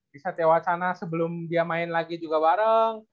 di satewacana sebelum dia main lagi juga bareng